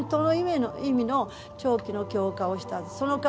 本当の意味で長期の強化をした。